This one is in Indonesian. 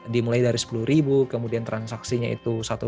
dimulai dari sepuluh kemudian transaksinya itu